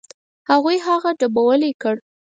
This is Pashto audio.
هغوی هغه ډبولی کړ.